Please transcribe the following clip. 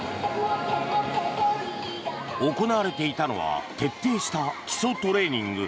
行われていたのは徹底した基礎トレーニング。